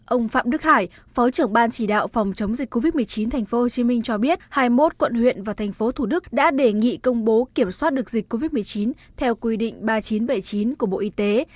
ông phạm đức hải phó trưởng ban chỉ đạo phòng chống dịch covid một mươi chín tp hcm cho biết hai mươi một quận huyện và thành phố thủ đức đã đề nghị công bố kiểm soát được dịch covid một mươi chín theo quy định ba nghìn chín trăm bảy mươi chín của bộ y tế